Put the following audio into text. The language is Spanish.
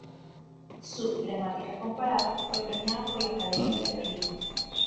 Su "Gramática comparada" fue premiada por la Academia de Berlín.